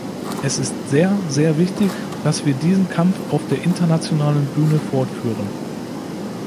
Es ist sehr, sehr wichtig, dass wir diesen Kampf auf der internationalen Bühne fortführen.